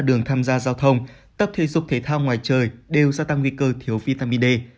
đường tham gia giao thông tập thể dục thể thao ngoài trời đều gia tăng nguy cơ thiếu vitamin d